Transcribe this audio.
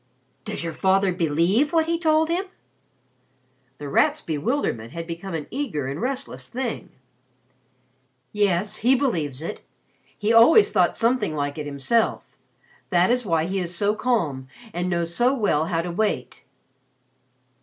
"Does your father believe what he told him?" The Rat's bewilderment had become an eager and restless thing. "Yes, he believes it. He always thought something like it, himself. That is why he is so calm and knows so well how to wait."